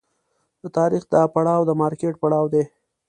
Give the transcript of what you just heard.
د تاریخ دا پړاو د مارکېټ پړاو دی.